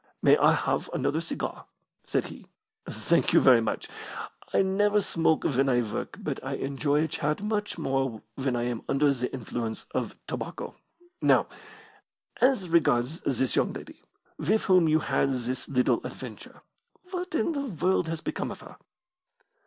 "May I have another cigar?" said he. "Thank you very much! I never smoke when I work, but I enjoy a chat much more when I am under the influence of tobacco. Now, as regards this young lady, with whom you had this little adventure. What in the world has become of her?"